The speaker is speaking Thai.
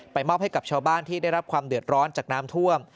มอบให้กับชาวบ้านที่ได้รับความเดือดร้อนจากน้ำท่วม